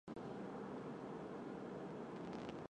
野狐岭战役也是世界军事史上以少胜多典范作战。